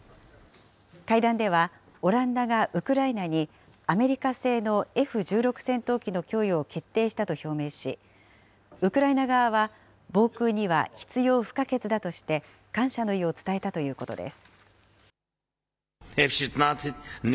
会談では、オランダがウクライナにアメリカ製のＦ１６戦闘機の供与を決定したと表明し、ウクライナ側は、防空には必要不可欠だとして、感謝の意を伝えたということです。